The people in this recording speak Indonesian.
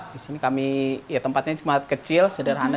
di sini kami ya tempatnya cuma kecil sederhana